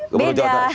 gubernur jawa tengah